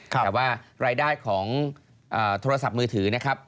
แต่ว่ารายได้ของโทรศัพท์มือถือนะครับ